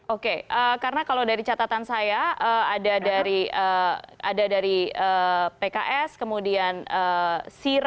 oke karena kalau dari catatan saya ada dari pks kemudian sira